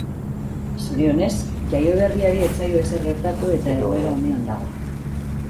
Zorionez, jaioberriari ez zaio ezer gertatu eta egoera onean dago.